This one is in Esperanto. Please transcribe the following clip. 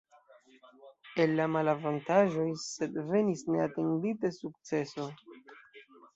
El la malavantaĝoj sed venis neatendite sukceso.